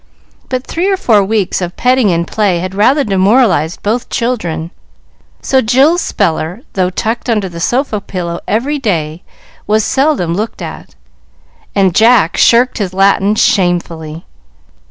But three or four weeks of petting and play had rather demoralized both children, so Jill's Speller, though tucked under the sofa pillow every day, was seldom looked at, and Jack shirked his Latin shamefully.